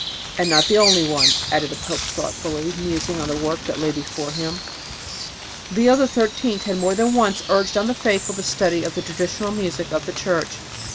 And not the only one," added the pope thoughtfully, musing on the work that lay before him. Leo XIII had more than once urged on the faithful the study of the traditional music of the Church.